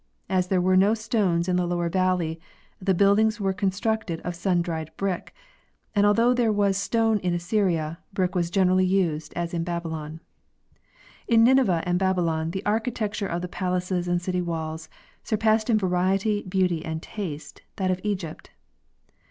As there were no stones in the lower valley the buildings were constructed of sun dried brick, and although there was stone in Assyria, brick was generally used as in Babylon. In Nineveh and Babylon the architecture of the palaces and city walls surpassed in variety, beauty, and taste that of Egypt.